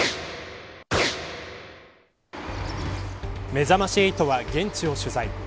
めざまし８は現地を取材。